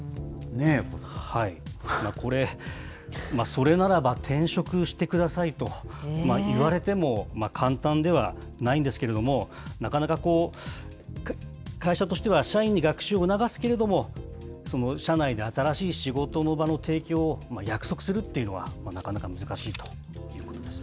それならば転職してくださいと言われても、簡単ではないんですけれども、なかなかこう、会社としては社員に学習を促すけれども、その社内で新しい仕事の場の提供を約束するっていうのは、なかなか難しいということですね。